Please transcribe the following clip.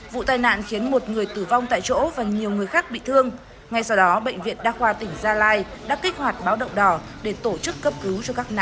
vụ tai nạn khiến một người tử vong tại chỗ và nhiều người khác bị thương ngay sau đó bệnh viện đa khoa tỉnh gia lai đã kích hoạt báo động đỏ để tổ chức cấp cứu cho các nạn nhân